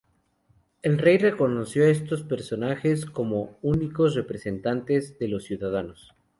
El rey reconoció a estos personajes como únicos representantes de los ciudadanos.